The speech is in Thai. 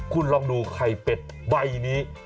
คุณลองดูไข่เป็ดใบนี้